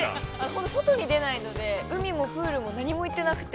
ほんと外に出ないので、海もプールも何も行ってなくて。